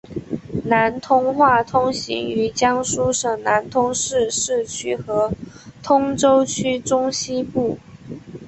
南通话通行于江苏省南通市市区和通州区中西部。